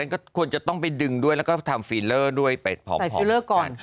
ก็ควรจะต้องไปดึงด้วยแล้วก็ทำฟีเลอร์ด้วยไปผอมฟิลเลอร์ก่อน